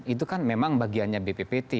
itu kan memang bagiannya bppt